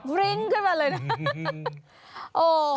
ริ้งขึ้นมาเลยนะ